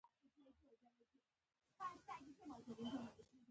د خلاقیت بهیر